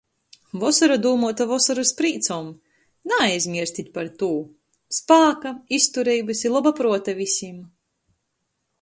Vosora dūmuota vosorys prīcom... Naaizmierstit par tū! Spāka, iztureibys i loba pruota vysim!!!